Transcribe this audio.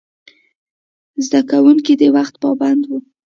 زده کوونکي د وخت پابند وو.